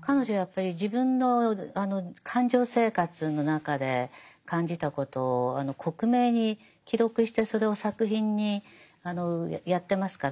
彼女やっぱり自分の感情生活の中で感じたことを克明に記録してそれを作品にやってますから。